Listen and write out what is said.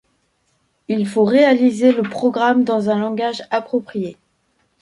Il faut réaliser le programme dans un langage approprié.